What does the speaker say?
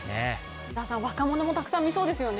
若者もたくさん見そうですよね。